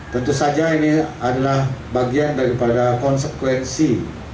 tentu saja ini adalah bagian daripada konsekuensi